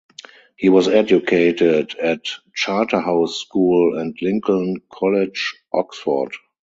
He was educated at Charterhouse School and Lincoln College, Oxford.